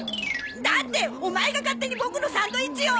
だってオマエが勝手にボクのサンドイッチを！